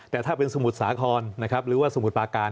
แต่ถ้าเป็นสมุทรสาครนะครับหรือว่าสมุทรปาการ